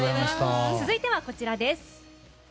続いてはこちらです。